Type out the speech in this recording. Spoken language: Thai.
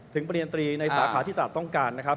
ปริญตรีในสาขาที่ตลาดต้องการนะครับ